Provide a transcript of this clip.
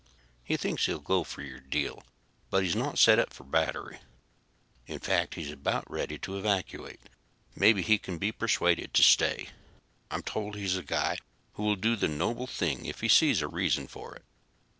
"He thinks he'll go for your deal, but he's not set up for battery. In fact, he's about ready to evacuate. Maybe he can be persuaded to stay. I'm told he's a guy who will do the noble thing if he sees a reason for it."